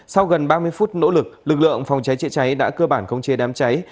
sau gần ba mươi phút nỗ lực lực lượng phòng cháy chữa cháy đã cơ bản không chế đám cháy